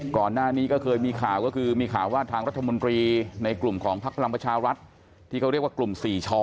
ก่อนหน้านี้ก็เคยมีข่าวก็คือมีข่าวว่าทางรัฐมนตรีในกลุ่มของพักพลังประชารัฐที่เขาเรียกว่ากลุ่ม๔ชอ